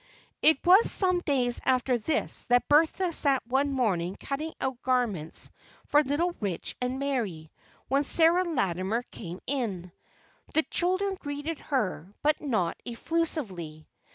It was some days after this that Bertha sat one morning cutting out garments for little Rich and Mary, when Sarah Latimer came in. The children greeted her, but not effusively.